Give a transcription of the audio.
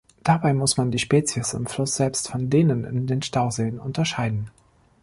Dabei muss man die Spezies im Fluss selbst von denen in den Stauseen unterscheiden.